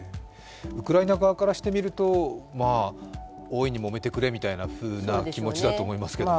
ウクライナ側からしてみると、大いにもめてくれというふうな気持ちだと思いますけれども。